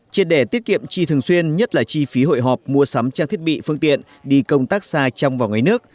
trên đề tiết kiệm chi thường xuyên nhất là chi phí hội họp mua sắm trang thiết bị phương tiện đi công tác xa trong và ngoài nước